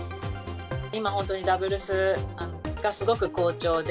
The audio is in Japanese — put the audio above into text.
今本当にダブルスがすごく好調で。